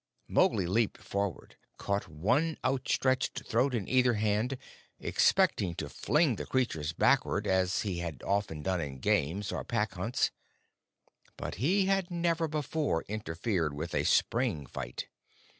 Mowgli leaped forward, caught one outstretched throat in either hand, expecting to fling the creatures backward as he had often done in games or Pack hunts. But he had never before interfered with a spring fight.